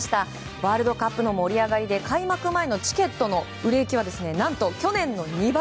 ワールドカップの盛り上がりで開幕前のチケットの売れ行きはなんと去年の２倍！